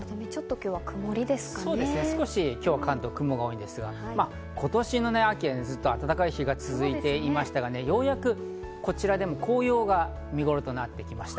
今日は少し関東は雲が多いんですが、今年の秋はずっと暖かい日が続いていましたが、ようやくこちらでも紅葉が見ごろとなってきました。